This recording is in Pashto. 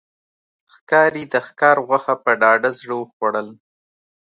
ښکاري د ښکار غوښه په ډاډه زړه وخوړل.